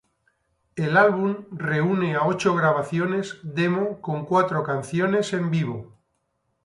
El álbum reúne a ocho grabaciones demo con cuatro canciones en vivo.